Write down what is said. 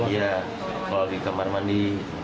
iya kalau di kamar mandi